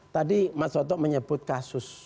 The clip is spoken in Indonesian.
tadi mas soto menyebut kasus